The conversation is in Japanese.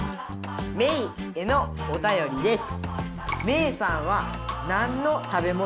メイへのおたよりです。